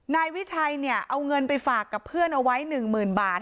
นายวิชัยเนี่ยเอาเงินไปฝากกับเพื่อนเอาไว้๑๐๐๐บาท